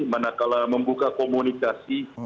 manakala membuka komunikasi